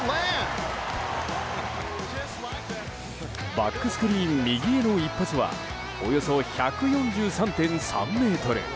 バックスクリーン右への一発はおよそ１４３．３ｍ。